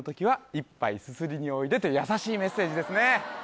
「一杯すすりにおいで」という優しいメッセージですね